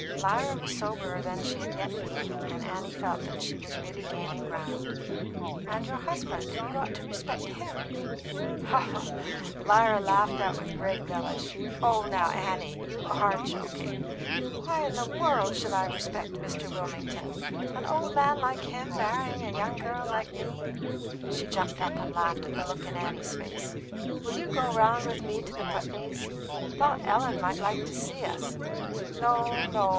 Lyra was soberer than she had yet been, and Annie felt that she was really gaining ground. "And your husband; you ought to respect him " Lyra laughed out with great relish. "Oh, now, Annie, you are joking! Why in the world should I respect Mr. Wilmington? An old man like him marrying a young girl like me!" She jumped up and laughed at the look in Annie's face. "Will you go round with me to the Putneys? thought Ellen might like to see us." "No, no.